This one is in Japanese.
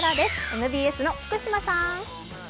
ＭＢＳの福島さん。